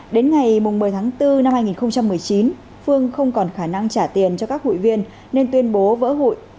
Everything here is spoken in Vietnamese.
đến ngày một mươi tháng bốn năm hai nghìn một mươi chín phương không còn khả năng trả tiền cho các hụi viên nên tuyên bố vỡ hụi